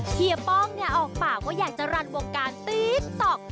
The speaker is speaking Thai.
เฮียป้องเนี่ยออกปากว่าอยากจะรันวงการติ๊กต๊อก